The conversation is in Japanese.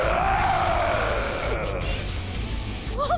あっ！